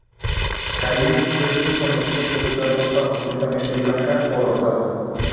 Karim es muy conocido por usar ropa completamente blanca o rosada.